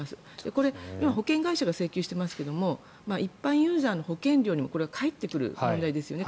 これ、保険会社が請求していますけど一般ユーザーの保険料にも返ってくる問題ですよね。